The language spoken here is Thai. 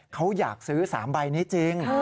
เขาอยากซื้อ๓ใบนี้จริง